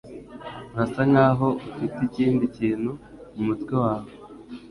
Urasa nkaho ufite ikindi kintu mumutwe wawe.